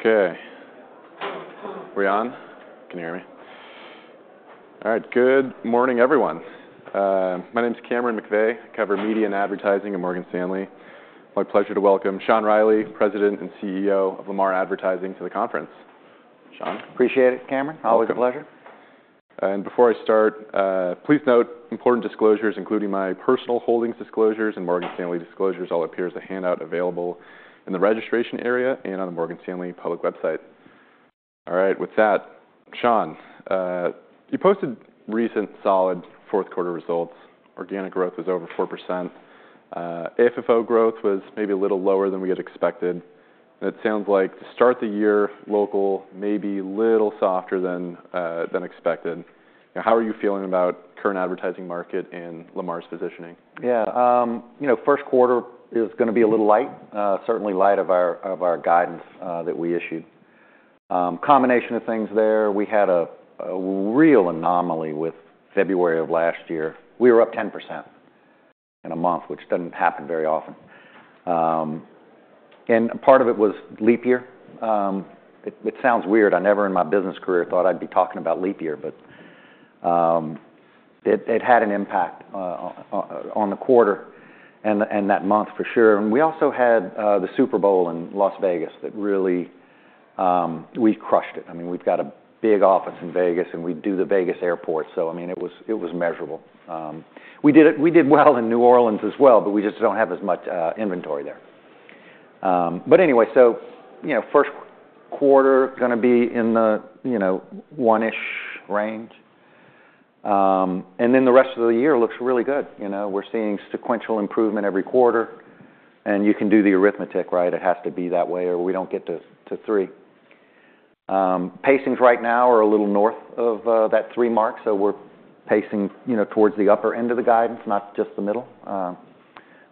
Okay. We're on? Can you hear me? All right. Good morning, everyone. My name's Cameron McVeigh. I cover media and advertising at Morgan Stanley. My pleasure to welcome Sean Reilly, President and CEO of Lamar Advertising, to the conference. Sean? Appreciate it, Cameron. Always a pleasure. And before I start, please note important disclosures, including my personal holdings disclosures and Morgan Stanley disclosures. All appear in a handout available in the registration area and on the Morgan Stanley public website. All right. With that, Sean, you posted recent solid fourth-quarter results. Organic growth was over 4%. FFO growth was maybe a little lower than we had expected. And it sounds like to start the year local, maybe a little softer than expected. How are you feeling about the current advertising market and Lamar's positioning? Yeah. First quarter is going to be a little light, certainly light of our guidance that we issued. Combination of things there. We had a real anomaly with February of last year. We were up 10% in a month, which doesn't happen very often. And part of it was leap year. It sounds weird. I never in my business career thought I'd be talking about leap year, but it had an impact on the quarter and that month for sure. And we also had the Super Bowl in Las Vegas that really we crushed it. I mean, we've got a big office in Vegas, and we do the Vegas Airport. So I mean, it was measurable. We did well in New Orleans as well, but we just don't have as much inventory there. But anyway, so first quarter is going to be in the one-ish range. And then the rest of the year looks really good. We're seeing sequential improvement every quarter. And you can do the arithmetic, right? It has to be that way or we don't get to three. Pacings right now are a little north of that three mark. So we're pacing towards the upper end of the guidance, not just the middle,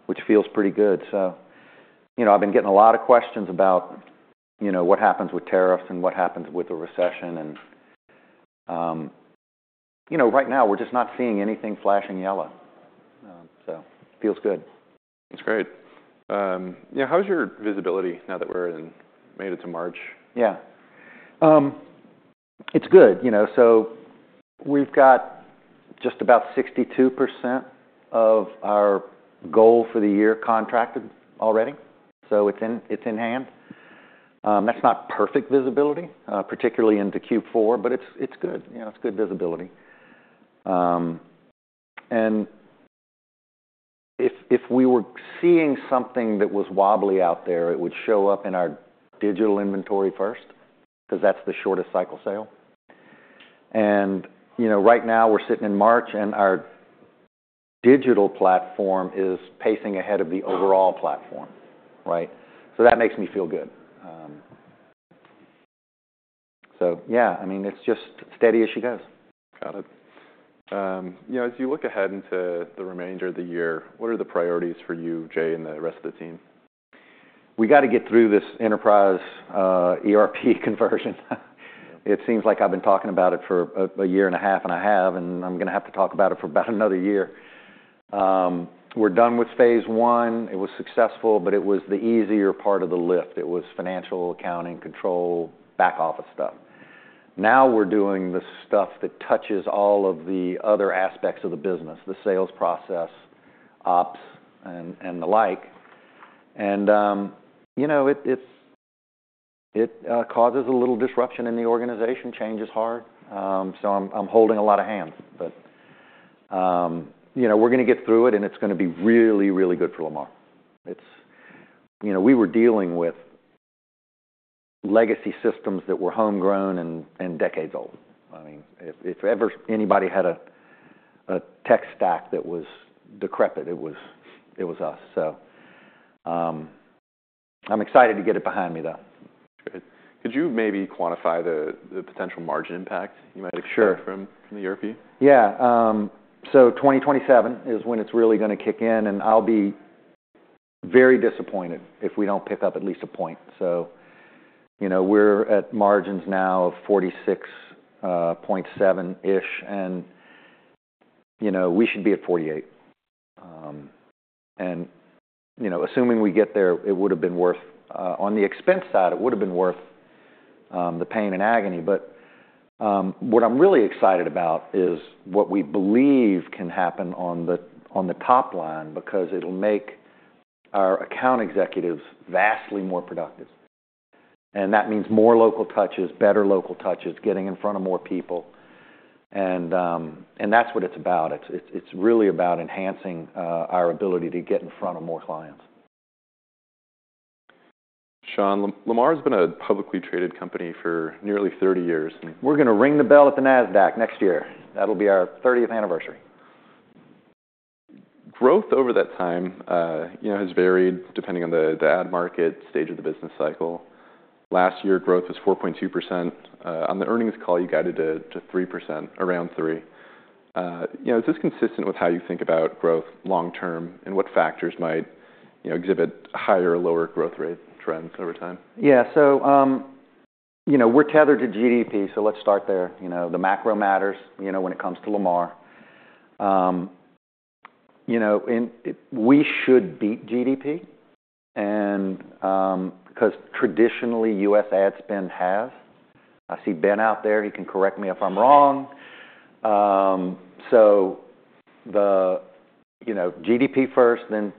which feels pretty good. So I've been getting a lot of questions about what happens with tariffs and what happens with the recession. And right now, we're just not seeing anything flashing yellow. So feels good. That's great. Yeah. How's your visibility now that we're in, made it to March? Yeah. It's good. So we've got just about 62% of our goal for the year contracted already. So it's in hand. That's not perfect visibility, particularly into Q4, but it's good. It's good visibility. And if we were seeing something that was wobbly out there, it would show up in our digital inventory first because that's the shortest cycle sale. And right now, we're sitting in March, and our digital platform is pacing ahead of the overall platform, right? So that makes me feel good. So yeah, I mean, it's just steady as she goes. Got it. As you look ahead into the remainder of the year, what are the priorities for you, Jay, and the rest of the team? We got to get through this enterprise ERP conversion. It seems like I've been talking about it for a year and a half, and I have, and I'm going to have to talk about it for about another year. We're done with phase one. It was successful, but it was the easier part of the lift. It was financial, accounting, control, back office stuff. Now we're doing the stuff that touches all of the other aspects of the business: the sales process, ops, and the like, and it causes a little disruption in the organization. Change is hard, so I'm holding a lot of hands, but we're going to get through it, and it's going to be really, really good for Lamar. We were dealing with legacy systems that were homegrown and decades old. I mean, if ever anybody had a tech stack that was decrepit, it was us. So I'm excited to get it behind me, though. Could you maybe quantify the potential margin impact you might expect from the ERP? Sure. Yeah. So 2027 is when it's really going to kick in, and I'll be very disappointed if we don't pick up at least a point. So we're at margins now of 46.7-ish, and we should be at 48. And assuming we get there, it would have been worth. On the expense side, it would have been worth the pain and agony. But what I'm really excited about is what we believe can happen on the top line because it'll make our account executives vastly more productive. And that means more local touches, better local touches, getting in front of more people. And that's what it's about. It's really about enhancing our ability to get in front of more clients. Sean, Lamar has been a publicly traded company for nearly 30 years. We're going to ring the bell at the Nasdaq next year. That'll be our 30th anniversary. Growth over that time has varied depending on the ad market, stage of the business cycle. Last year, growth was 4.2%. On the earnings call, you guided to 3%, around 3%. Is this consistent with how you think about growth long term and what factors might exhibit higher or lower growth rate trends over time? Yeah. So we're tethered to GDP, so let's start there. The macro matters when it comes to Lamar. We should beat GDP because traditionally, U.S. ad spend has. I see Ben out there. He can correct me if I'm wrong. So GDP first, then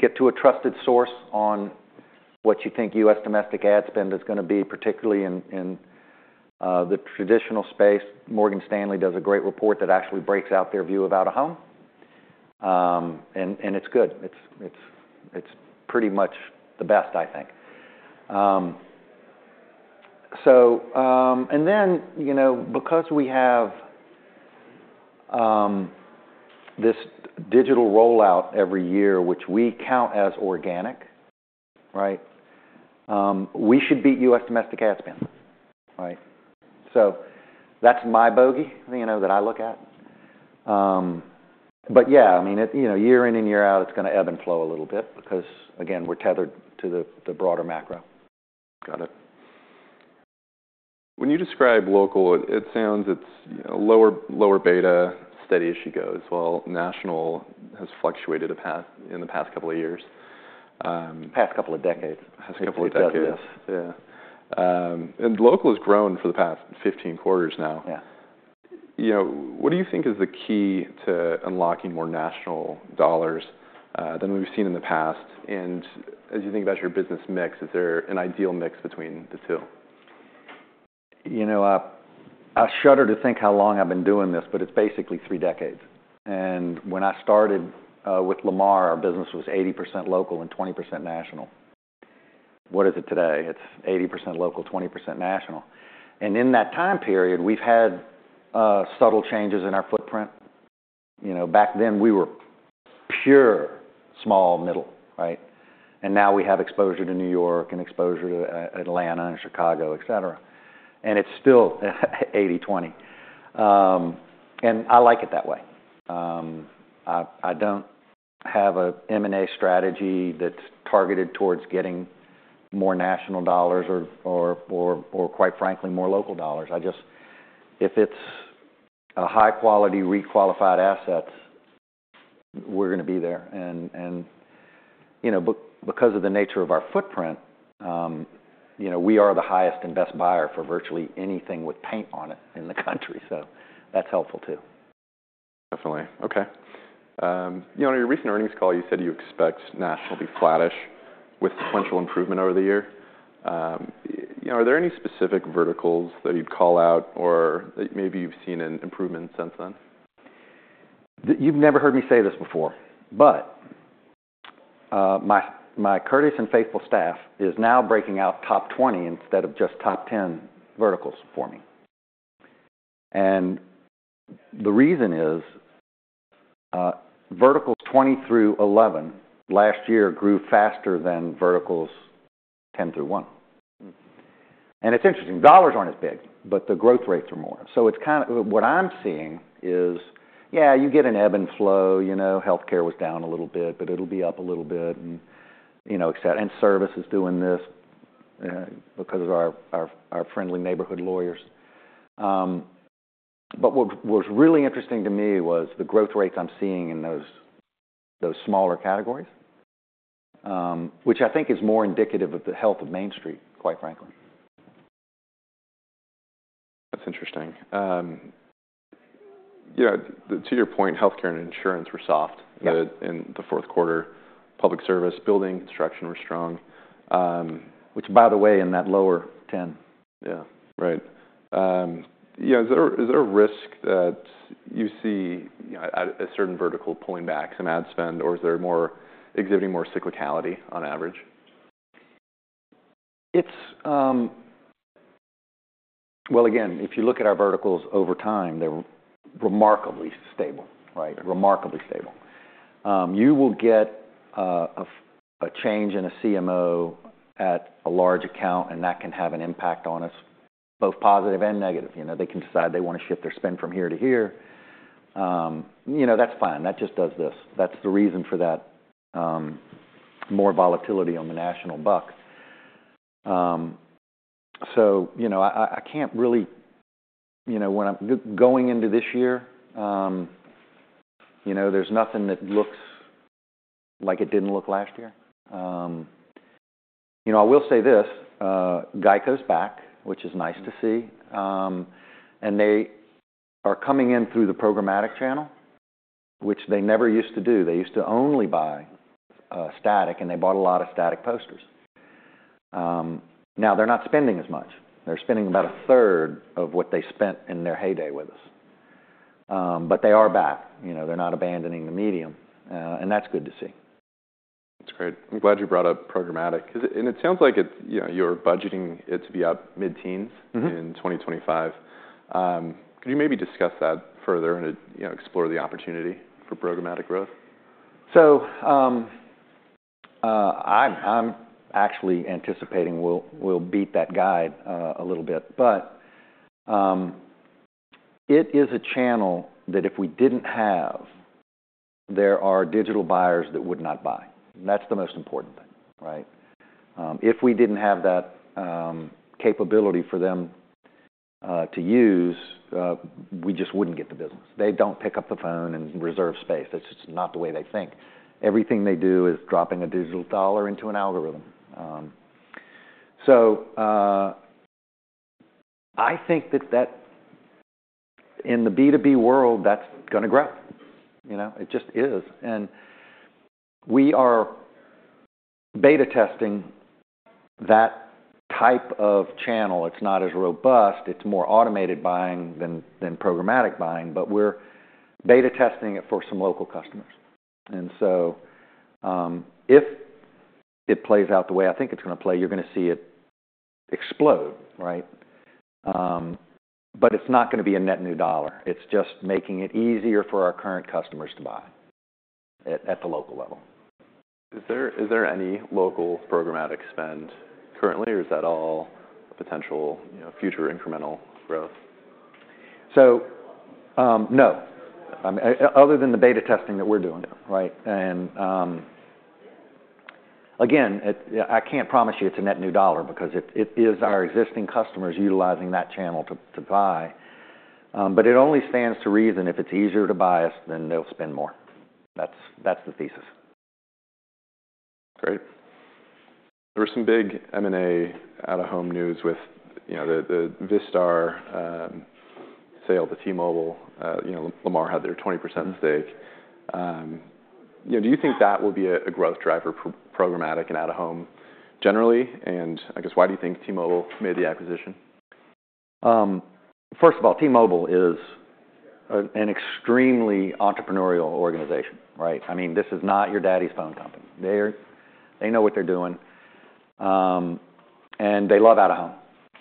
get to a trusted source on what you think U.S. domestic ad spend is going to be, particularly in the traditional space. Morgan Stanley does a great report that actually breaks out their view of out-of-home. And it's good. It's pretty much the best, I think. And then because we have this digital rollout every year, which we count as organic, right, we should beat U.S. domestic ad spend, right? So that's my bogey that I look at. But yeah, I mean, year in and year out, it's going to ebb and flow a little bit because, again, we're tethered to the broader macro. Got it. When you describe local, it sounds it's lower beta, steady as she goes, while national has fluctuated in the past couple of years. Past couple of decades. Past couple of decades, yeah. And local has grown for the past 15 quarters now. What do you think is the key to unlocking more national dollars than we've seen in the past? And as you think about your business mix, is there an ideal mix between the two? I shudder to think how long I've been doing this, but it's basically three decades, and when I started with Lamar, our business was 80% local and 20% national. What is it today? It's 80% local, 20% national, and in that time period, we've had subtle changes in our footprint. Back then, we were pure small, middle, right, and now we have exposure to New York and exposure to Atlanta and Chicago, etc., and it's still 80/20, and I like it that way. I don't have an M&A strategy that's targeted towards getting more national dollars or, quite frankly, more local dollars. If it's a high-quality REIT-qualified asset, we're going to be there, and because of the nature of our footprint, we are the highest and best buyer for virtually anything with paint on it in the country, so that's helpful too. Definitely. Okay. On your recent earnings call, you said you expect national to be flattish with sequential improvement over the year. Are there any specific verticals that you'd call out or that maybe you've seen an improvement since then? You've never heard me say this before, but my courteous and faithful staff is now breaking out top 20 instead of just top 10 verticals for me, and the reason is verticals 20 through 11 last year grew faster than verticals 10 through one, and it's interesting. Dollars aren't as big, but the growth rates are more, so what I'm seeing is, yeah, you get an ebb and flow. Healthcare was down a little bit, but it'll be up a little bit, etc., and service is doing this because of our friendly neighborhood lawyers, but what was really interesting to me was the growth rates I'm seeing in those smaller categories, which I think is more indicative of the health of Main Street, quite frankly. That's interesting. To your point, healthcare and insurance were soft in the fourth quarter. Public service, building, construction were strong, which, by the way, in that lower 10. Yeah. Right. Is there a risk that you see at a certain vertical pulling back some ad spend, or is there more exhibiting cyclicality on average? Well, again, if you look at our verticals over time, they're remarkably stable, right? Remarkably stable. You will get a change in a CMO at a large account, and that can have an impact on us, both positive and negative. They can decide they want to shift their spend from here to here. That's fine. That just does this. That's the reason for that more volatility on the national bucket. So I can't really, when I'm going into this year, there's nothing that looks like it didn't look last year. I will say this: GEICO's back, which is nice to see. And they are coming in through the programmatic channel, which they never used to do. They used to only buy static, and they bought a lot of static posters. Now they're not spending as much. They're spending about a third of what they spent in their heyday with us. But they are back. They're not abandoning the medium. And that's good to see. That's great. I'm glad you brought up programmatic. And it sounds like you're budgeting it to be up mid-teens in 2025. Could you maybe discuss that further and explore the opportunity for programmatic growth? So I'm actually anticipating we'll beat that guide a little bit. But it is a channel that if we didn't have, there are digital buyers that would not buy. That's the most important thing, right? If we didn't have that capability for them to use, we just wouldn't get the business. They don't pick up the phone and reserve space. That's just not the way they think. Everything they do is dropping a digital dollar into an algorithm. So I think that in the B2B world, that's going to grow. It just is. And we are beta testing that type of channel. It's not as robust. It's more automated buying than programmatic buying, but we're beta testing it for some local customers. And so if it plays out the way I think it's going to play, you're going to see it explode, right? But it's not going to be a net new dollar. It's just making it easier for our current customers to buy at the local level. Is there any local programmatic spend currently, or is that all potential future incremental growth? So no, other than the beta testing that we're doing, right? And again, I can't promise you it's a net new dollar because it is our existing customers utilizing that channel to buy. But it only stands to reason if it's easier to buy us, then they'll spend more. That's the thesis. Great. There were some big M&A out-of-home news with the Vistar sale to T-Mobile. Lamar had their 20% stake. Do you think that will be a growth driver for programmatic and out-of-home generally? And I guess, why do you think T-Mobile made the acquisition? First of all, T-Mobile is an extremely entrepreneurial organization, right? I mean, this is not your daddy's phone company. They know what they're doing, and they love out-of-home.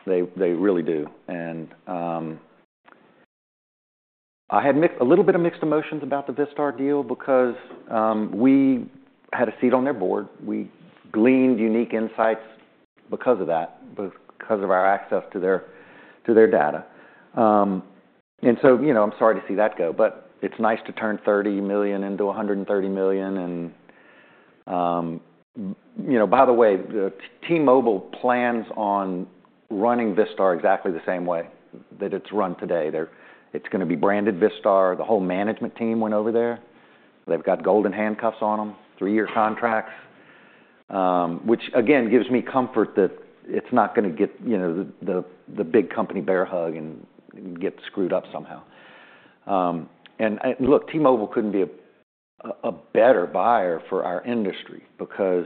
They really do. And I had a little bit of mixed emotions about the Vistar deal because we had a seat on their board. We gleaned unique insights because of that, because of our access to their data. And so I'm sorry to see that go, but it's nice to turn $30 million into $130 million. And by the way, T-Mobile plans on running Vistar exactly the same way that it's run today. It's going to be branded Vistar. The whole management team went over there. They've got golden handcuffs on them, three-year contracts, which, again, gives me comfort that it's not going to get the big company bear hug and get screwed up somehow. And look, T-Mobile couldn't be a better buyer for our industry because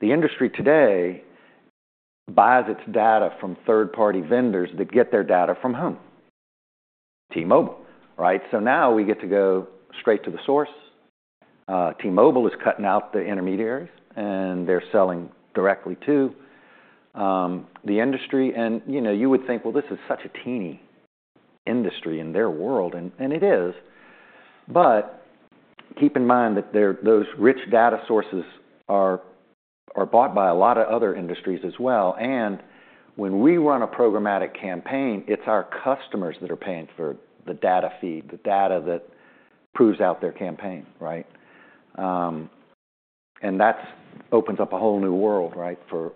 the industry today buys its data from third-party vendors that get their data from whom, T-Mobile, right? So now we get to go straight to the source. T-Mobile is cutting out the intermediaries, and they're selling directly to the industry. And you would think, "Well, this is such a teeny industry in their world." And it is. But keep in mind that those rich data sources are bought by a lot of other industries as well. And when we run a programmatic campaign, it's our customers that are paying for the data feed, the data that proves out their campaign, right? And that opens up a whole new world, right, for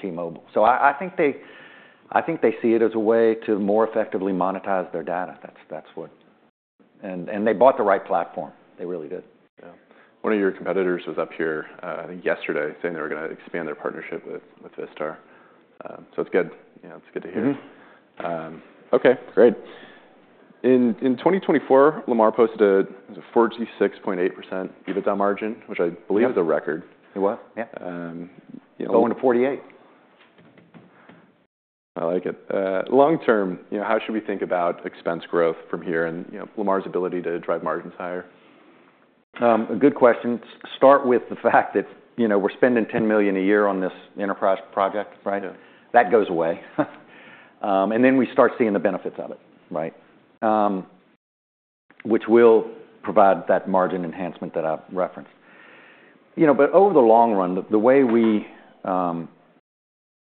T-Mobile. So I think they see it as a way to more effectively monetize their data. And they bought the right platform. They really did. Yeah. One of your competitors was up here, I think, yesterday, saying they were going to expand their partnership with Vistar. So it's good. It's good to hear. Okay. Great. In 2024, Lamar posted a 46.8% EBITDA margin, which I believe is a record. It was, yeah. Going to 48. I like it. Long term, how should we think about expense growth from here and Lamar's ability to drive margins higher? A good question. Start with the fact that we're spending $10 million a year on this enterprise project, right? That goes away, and then we start seeing the benefits of it, right, which will provide that margin enhancement that I referenced, but over the long run, the way we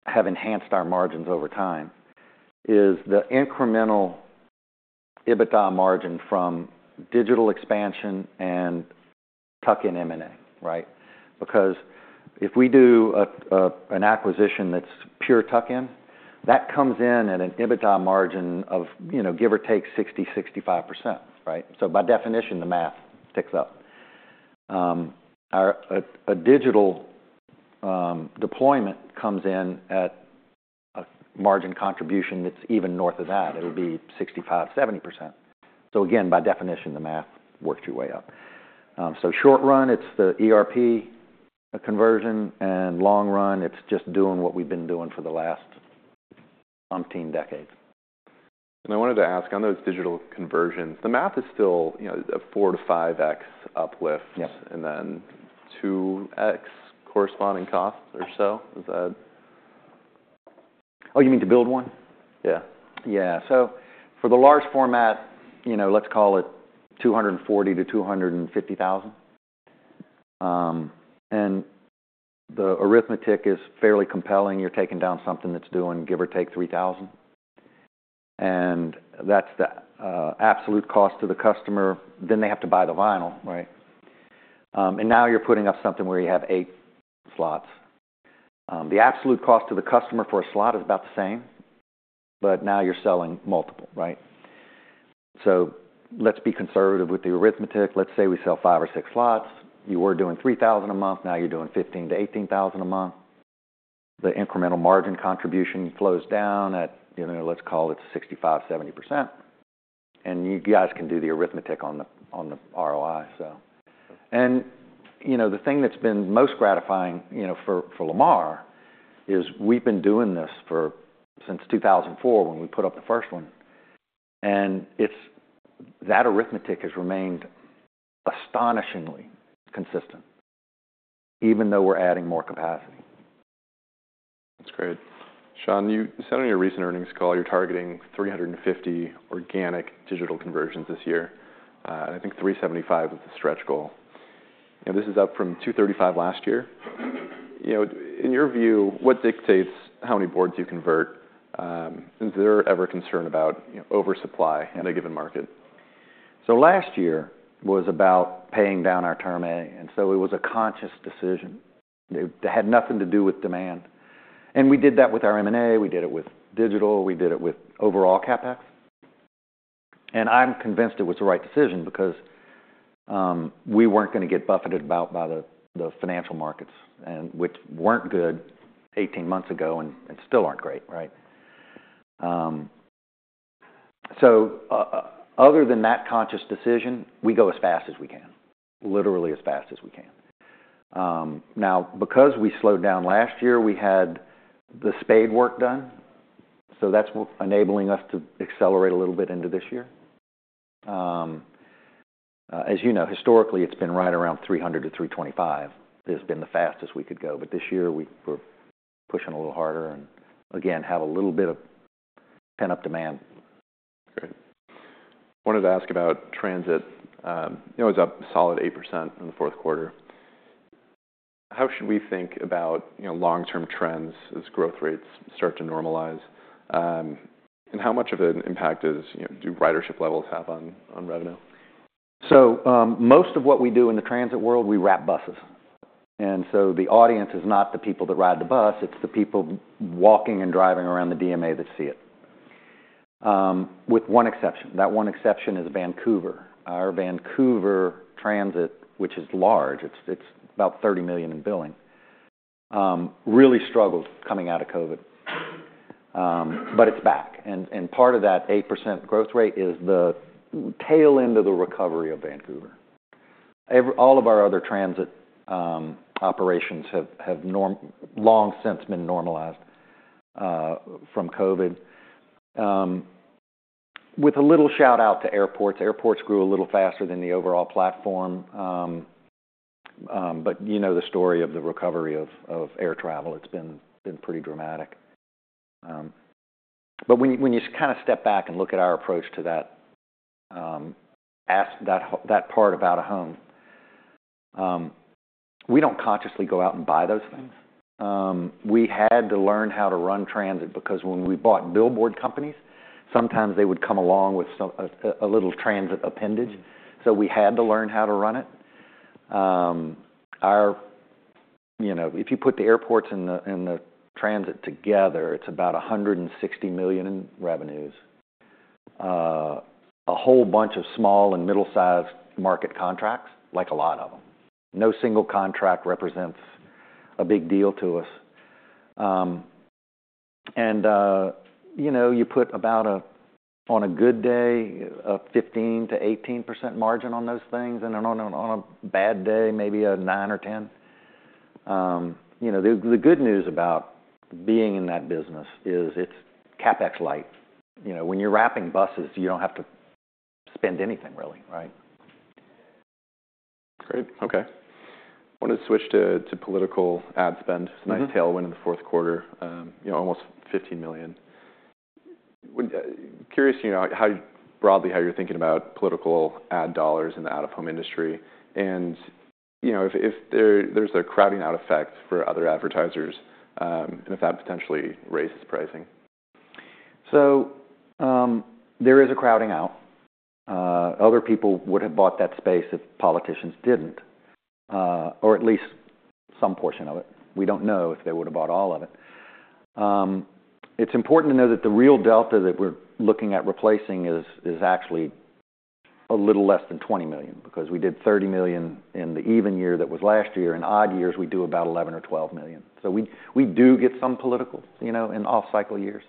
have enhanced our margins over time is the incremental EBITDA margin from digital expansion and tuck-in M&A, right? Because if we do an acquisition that's pure tuck-in, that comes in at an EBITDA margin of give or take 60%-65%, right, so by definition, the math ticks up. A digital deployment comes in at a margin contribution that's even north of that. It would be 65%-70%. So again, by definition, the math works your way up, so short run, it's the ERP conversion, and long run, it's just doing what we've been doing for the last umpteen decades. I wanted to ask, on those digital conversions, the math is still a 4x-5x uplift and then 2x corresponding costs or so. Is that? Oh, you mean to build one? Yeah. Yeah. So for the large format, let's call it $240,000-$250,000. And the arithmetic is fairly compelling. You're taking down something that's doing give or take $3,000. And that's the absolute cost to the customer. Then they have to buy the vinyl, right? And now you're putting up something where you have eight slots. The absolute cost to the customer for a slot is about the same, but now you're selling multiple, right? So let's be conservative with the arithmetic. Let's say we sell five or six slots. You were doing $3,000 a month. Now you're doing $15,000-$18,000 a month. The incremental margin contribution flows down at, let's call it 65%-70%. And you guys can do the arithmetic on the ROI, so. And the thing that's been most gratifying for Lamar is we've been doing this since 2004 when we put up the first one. That arithmetic has remained astonishingly consistent, even though we're adding more capacity. That's great. Sean, you said on your recent earnings call, you're targeting 350 organic digital conversions this year. And I think 375 was the stretch goal. This is up from 235 last year. In your view, what dictates how many boards you convert? Is there ever a concern about oversupply in a given market? Last year was about paying down our Term A. And so it was a conscious decision. It had nothing to do with demand. And we did that with our M&A. We did it with digital. We did it with overall CapEx. And I'm convinced it was the right decision because we weren't going to get buffeted about by the financial markets, which weren't good 18 months ago and still aren't great, right? So other than that conscious decision, we go as fast as we can, literally as fast as we can. Now, because we slowed down last year, we had the spadework done. So that's enabling us to accelerate a little bit into this year. As you know, historically, it's been right around 300-325. It has been the fastest we could go. This year, we're pushing a little harder and, again, have a little bit of pent-up demand. Great. I wanted to ask about transit. It was up solid 8% in the fourth quarter. How should we think about long-term trends as growth rates start to normalize? And how much of an impact do ridership levels have on revenue? So most of what we do in the transit world, we wrap buses. And so the audience is not the people that ride the bus. It's the people walking and driving around the DMA that see it, with one exception. That one exception is Vancouver. Our Vancouver transit, which is large, it's about $30 million in billing, really struggled coming out of COVID. But it's back. And part of that 8% growth rate is the tail end of the recovery of Vancouver. All of our other transit operations have long since been normalized from COVID, with a little shout-out to airports. Airports grew a little faster than the overall platform. But you know the story of the recovery of air travel. It's been pretty dramatic. But when you kind of step back and look at our approach to that part of out-of-home, we don't consciously go out and buy those things. We had to learn how to run transit because when we bought billboard companies, sometimes they would come along with a little transit appendage. So we had to learn how to run it. If you put the airports and the transit together, it's about $160 million in revenues, a whole bunch of small and middle-sized market contracts, like a lot of them. No single contract represents a big deal to us. And you put about, on a good day, a 15%-18% margin on those things, and on a bad day, maybe a 9%-10%. The good news about being in that business is it's CapEx light. When you're wrapping buses, you don't have to spend anything, really, right? Great. Okay. I wanted to switch to political ad spend. It's a nice tailwind in the fourth quarter, almost $15 million. Curious broadly how you're thinking about political ad dollars in the out-of-home industry and if there's a crowding-out effect for other advertisers and if that potentially raises pricing. So there is a crowding-out. Other people would have bought that space if politicians didn't, or at least some portion of it. We don't know if they would have bought all of it. It's important to know that the real delta that we're looking at replacing is actually a little less than $20 million because we did $30 million in the even year that was last year. In odd years, we do about $11 or $12 million. So we do get some political in off-cycle years.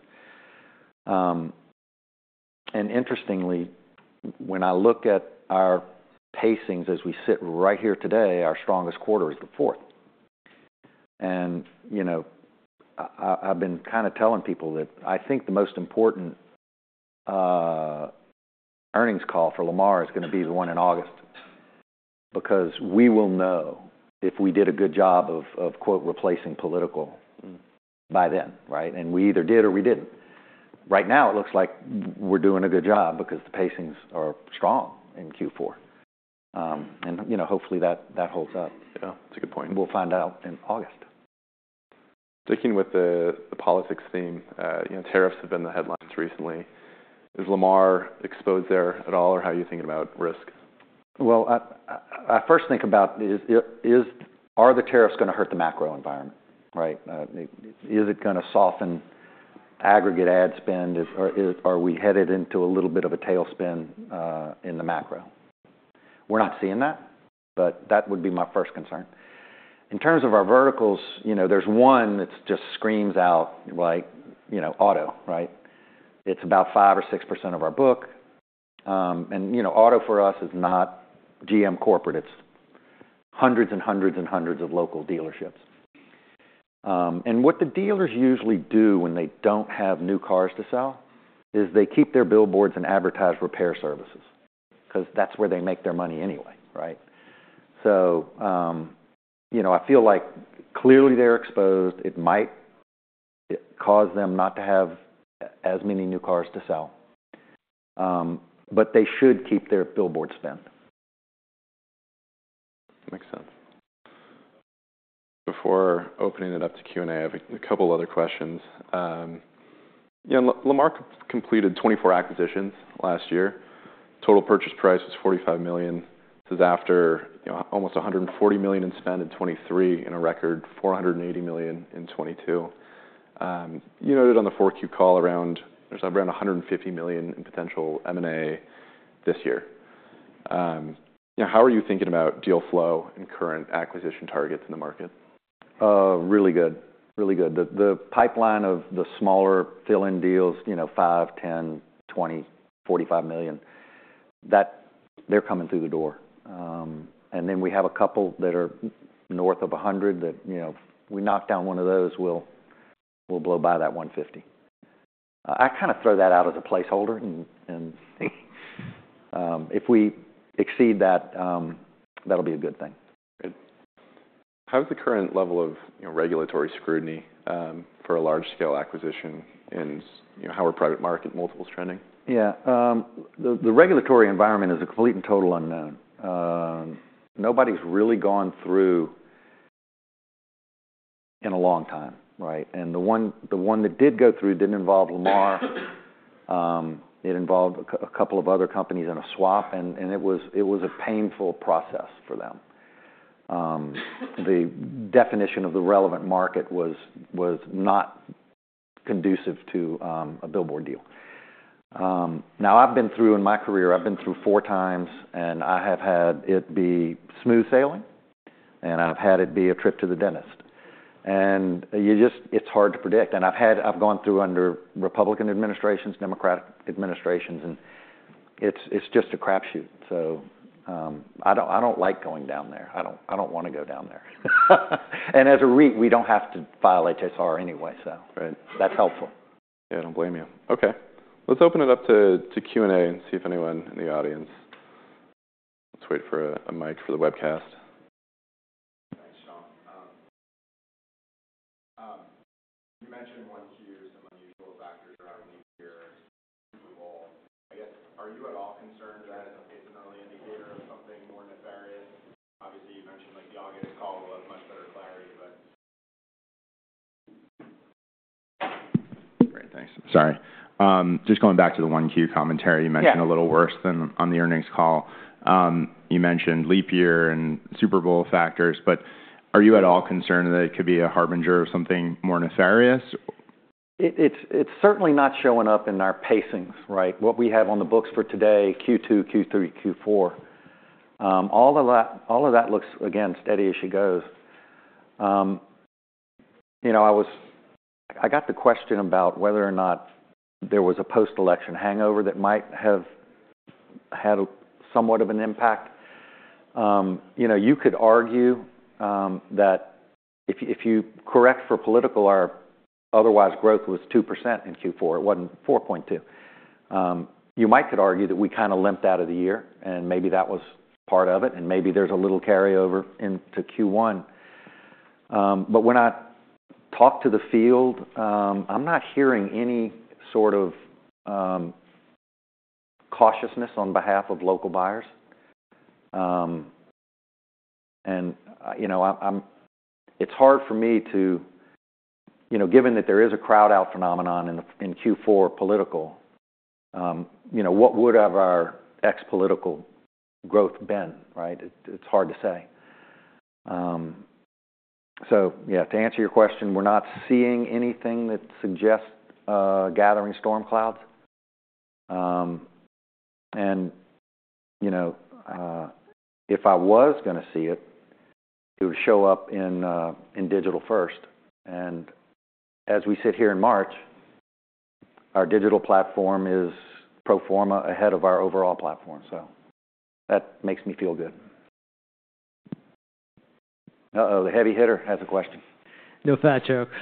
And interestingly, when I look at our pacings as we sit right here today, our strongest quarter is the fourth. And I've been kind of telling people that I think the most important earnings call for Lamar is going to be the one in August because we will know if we did a good job of "replacing political" by then, right? And we either did or we didn't. Right now, it looks like we're doing a good job because the pacings are strong in Q4. And hopefully, that holds up. Yeah. That's a good point. We'll find out in August. Sticking with the politics theme, tariffs have been the headlines recently. Is Lamar exposed there at all, or how are you thinking about risk? I first think about, are the tariffs going to hurt the macro environment, right? Is it going to soften aggregate ad spend, or are we headed into a little bit of a tailspin in the macro? We're not seeing that, but that would be my first concern. In terms of our verticals, there's one that just screams out like auto, right? It's about 5% or 6% of our book. And auto for us is not GM corporate. It's hundreds and hundreds and hundreds of local dealerships. And what the dealers usually do when they don't have new cars to sell is they keep their billboards and advertise repair services because that's where they make their money anyway, right? So I feel like clearly they're exposed. It might cause them not to have as many new cars to sell, but they should keep their billboard spend. Makes sense. Before opening it up to Q&A, I have a couple of other questions. Lamar completed 24 acquisitions last year. Total purchase price was $45 million. This is after almost $140 million in spend in 2023 and a record $480 million in 2022. You noted on the 4Q call around there's around $150 million in potential M&A this year. How are you thinking about deal flow and current acquisition targets in the market? Really good. Really good. The pipeline of the smaller fill-in deals, $5 million, $10 million, $20 million, $45 million, they're coming through the door. And then we have a couple that are north of $100 million that we knock down one of those, we'll blow by that $150 million. I kind of throw that out as a placeholder. And if we exceed that, that'll be a good thing. Good. How's the current level of regulatory scrutiny for a large-scale acquisition and how are private market multiples trending? Yeah. The regulatory environment is a complete and total unknown. Nobody's really gone through in a long time, right? And the one that did go through didn't involve Lamar. It involved a couple of other companies and a swap. And it was a painful process for them. The definition of the relevant market was not conducive to a billboard deal. Now, I've been through in my career, I've been through four times, and I have had it be smooth sailing, and I've had it be a trip to the dentist. And it's hard to predict. And I've gone through under Republican administrations, Democratic administrations, and it's just a crapshoot. So I don't like going down there. I don't want to go down there. And as a REIT, we don't have to file HSR anyway, so that's helpful. Yeah. I don't blame you. Okay. Let's open it up to Q&A and see if anyone in the audience. Let's wait for a mic for the webcast. Hi, Sean. You mentioned one here is some unusual factors around leap year approval. I guess, are you at all concerned that is a fictional indicator of something more nefarious? Obviously, you mentioned the August call will have much better clarity, but. Great. Thanks. Sorry. Just going back to the 1Q commentary, you mentioned a little worse than on the earnings call. You mentioned leap year and Super Bowl factors, but are you at all concerned that it could be a harbinger of something more nefarious? It's certainly not showing up in our pacings, right? What we have on the books for today, Q2, Q3, Q4, all of that looks, again, steady as she goes. I got the question about whether or not there was a post-election hangover that might have had somewhat of an impact. You could argue that if you correct for political, our otherwise growth was 2% in Q4. It wasn't 4.2%. You might could argue that we kind of limped out of the year, and maybe that was part of it, and maybe there's a little carryover into Q1. But when I talk to the field, I'm not hearing any sort of cautiousness on behalf of local buyers. And it's hard for me to, given that there is a crowd-out phenomenon in Q4 political, what would have our ex-political growth been, right? It's hard to say. So yeah, to answer your question, we're not seeing anything that suggests gathering storm clouds. And if I was going to see it, it would show up in digital first. And as we sit here in March, our digital platform is pro forma ahead of our overall platform. So that makes me feel good. Uh-oh. The heavy hitter has a question. No fat jokes.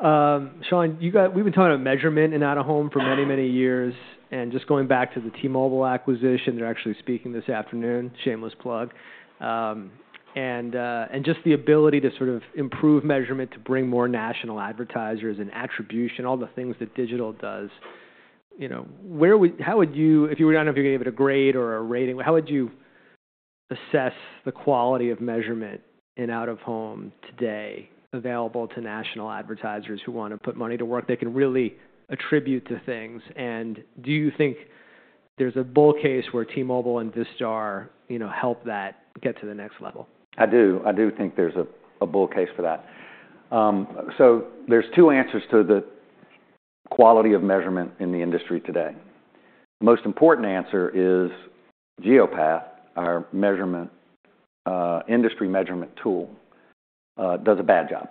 Sean, we've been talking about measurement in out-of-home for many, many years. And just going back to the T-Mobile acquisition, they're actually speaking this afternoon, shameless plug, and just the ability to sort of improve measurement to bring more national advertisers and attribution, all the things that digital does. How would you, if you were to give it a grade or a rating, how would you assess the quality of measurement in out-of-home today available to national advertisers who want to put money to work they can really attribute to things? And do you think there's a bull case where T-Mobile and Vistar help that get to the next level? I do. I do think there's a bull case for that. So there's two answers to the quality of measurement in the industry today. The most important answer is Geopath, our industry measurement tool, does a bad job,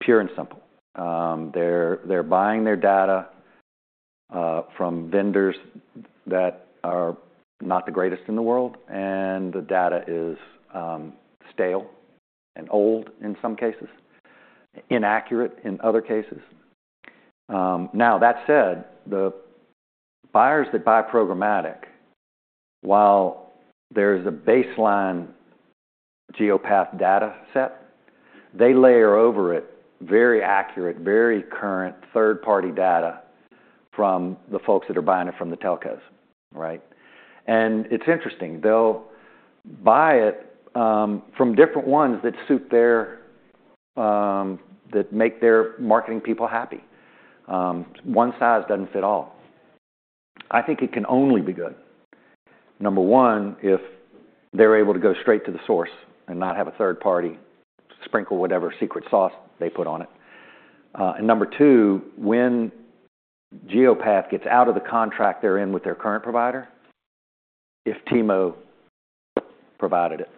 pure and simple. They're buying their data from vendors that are not the greatest in the world, and the data is stale and old in some cases, inaccurate in other cases. Now, that said, the buyers that buy programmatic, while there is a baseline Geopath data set, they layer over it very accurate, very current third-party data from the folks that are buying it from the telcos, right? And it's interesting. They'll buy it from different ones that make their marketing people happy. One size doesn't fit all. I think it can only be good, number one, if they're able to go straight to the source and not have a third party sprinkle whatever secret sauce they put on it, and number two, when Geopath gets out of the contract they're in with their current provider, if T-Mobile provided it,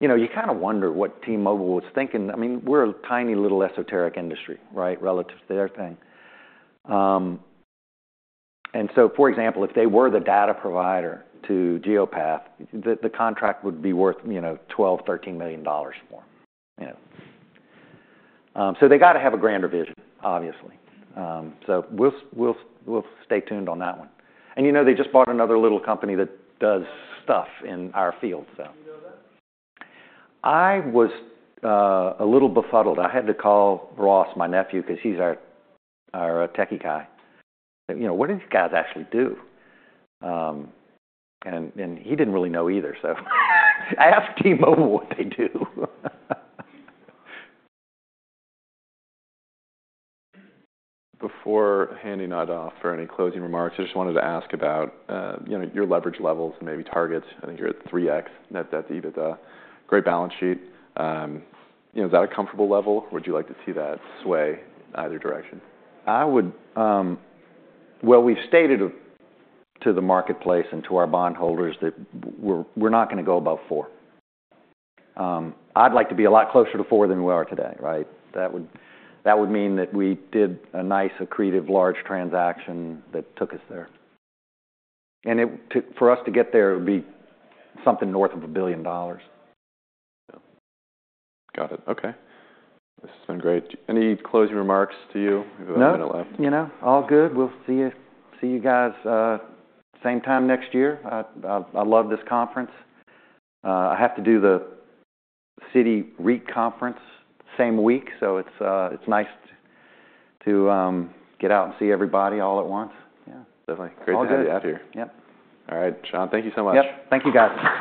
you kind of wonder what T-Mobile was thinking. I mean, we're a tiny little esoteric industry, right, relative to their thing, and so, for example, if they were the data provider to Geopath, the contract would be worth $12 million-$13 million more, so they got to have a grander vision, obviously, so we'll stay tuned on that one, and they just bought another little company that does stuff in our field, so. Did you know that? I was a little befuddled. I had to call Ross, my nephew, because he's our techie guy. What do these guys actually do, and he didn't really know either, so I asked T-Mobile what they do. Before handing that off for any closing remarks, I just wanted to ask about your leverage levels and maybe targets. I think you're at 3x. That's a great balance sheet. Is that a comfortable level, or would you like to see that sway either direction? Well, we've stated to the marketplace and to our bondholders that we're not going to go above four. I'd like to be a lot closer to four than we are today, right? That would mean that we did a nice, accretive large transaction that took us there. And for us to get there, it would be something north of $1 billion. Got it. Okay. This has been great. Any closing remarks to you? We've got a minute left. No. All good. We'll see you guys same time next year. I love this conference. I have to do the Citi REIT Conference same week, so it's nice to get out and see everybody all at once. Yeah. Definitely. Great to have you out here. All good. Yep. All right, Sean. Thank you so much. Yep. Thank you guys.